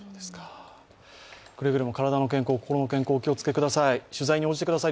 くれぐれも体の健康、心の健康、お気をつけてください。